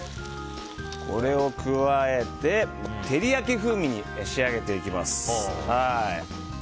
これを加えて、照り焼き風味に仕上げていきます。